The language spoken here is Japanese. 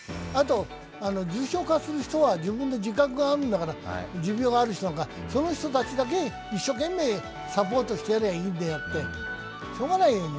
あと、重症化する人は自分で自覚があるんだから持病がある人なんか、その人たちだけ一生懸命サポートしてやればいいんであって、しようがないよ。